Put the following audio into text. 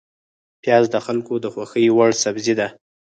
پیاز د خلکو د خوښې وړ سبزی ده